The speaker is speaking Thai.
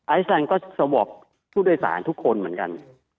ไอซ์แลนด์ก็สวบสู้ด้วยสารทุกคนเหมือนกัน